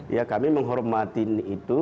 ya kami menghormatin itu